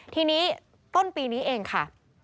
ทีนี้ต้นปีนี้เองค่ะ